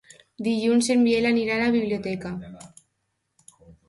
Dilluns en Biel anirà a la biblioteca.